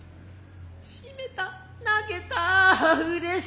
しめた投げた嬉しい。